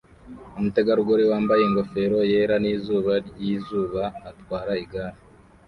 Umutegarugori wambaye ingofero yera nizuba ryizuba atwara igare